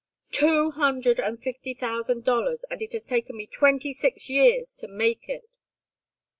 "Two hundred and fifty thousand dollars, and it has taken me twenty years to make it!"